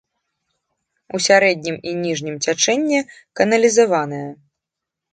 У сярэднім і ніжнім цячэнні каналізаваная.